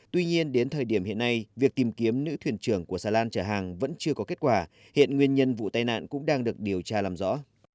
tuy nhiên đến thời điểm hiện nay việc tìm kiếm nữ thuyền trưởng của xà lan chở hàng vẫn chưa có kết quả hiện nguyên nhân vụ tai nạn cũng đang được điều tra làm rõ